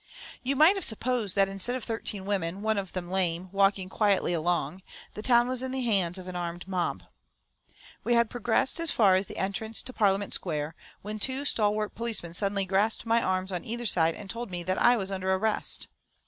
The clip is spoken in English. You might have supposed that instead of thirteen women, one of them lame, walking quietly along, the town was in the hands of an armed mob. We had progressed as far as the entrance to Parliament Square, when two stalwart policemen suddenly grasped my arms on either side and told me that I was under arrest.